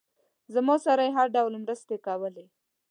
زما سره یې هر ډول مرستې کولې.